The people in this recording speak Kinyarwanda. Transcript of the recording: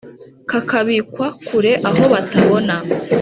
kakabikwa kure aho batabona